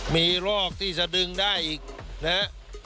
มีรอกที่สะดึงได้อีกนะฮะ